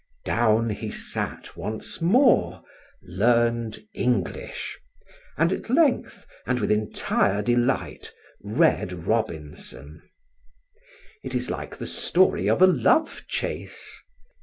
Down he sat once more, learned English, and at length, and with entire delight, read Robinson. It is like the story of a love chase.